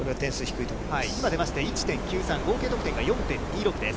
今出ました、１．９３、合計得点が４．２６です。